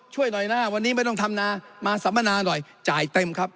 ช่วยหน่อยนะวันนี้ไม่ต้องทำนามาสัมมนาหน่อยจ่ายเต็มครับ